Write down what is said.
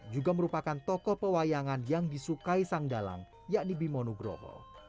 juga merupakan tokoh pewayangan yang disukai sang dalang yakni bimo nugroho